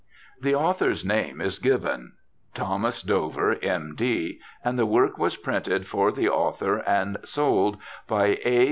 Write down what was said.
The author's name is given, Thomas Dover, M.D., and the work was printed for the author and sold by A.